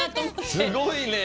すごいね！